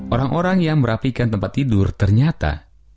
orang orang yang merapikan tempat tidur ternyata